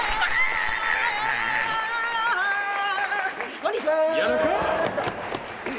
こんにちは。